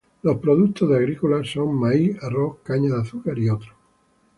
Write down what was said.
Los productos de agrícola son maíz, arroz, caña de azúcar y otros.